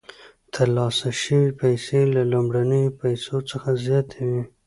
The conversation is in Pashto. ترلاسه شوې پیسې له لومړنیو پیسو څخه زیاتې وي